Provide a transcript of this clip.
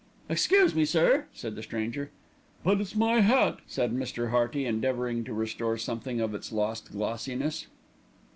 "Excuse me, sir!" said the stranger. "But it's my hat," said Mr. Hearty, endeavouring to restore something of its lost glossiness.